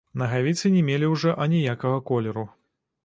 Нагавіцы не мелі ўжо аніякага колеру.